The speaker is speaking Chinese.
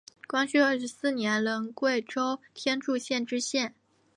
光绪二十四年任贵州天柱县知县。